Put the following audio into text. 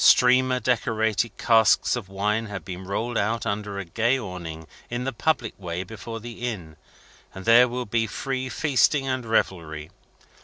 Streamer decorated casks of wine have been rolled out under a gay awning in the public way before the Inn, and there will be free feasting and revelry.